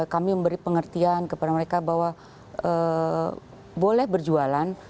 kami memberi pengertian kepada mereka bahwa boleh berjualan